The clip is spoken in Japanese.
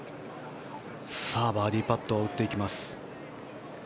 さあ、バーディーパットを打っていきます。